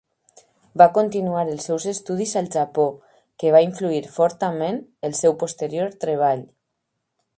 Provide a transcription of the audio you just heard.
Va continuar els seus estudis al Japó, que va influir fortament el seu posterior treball.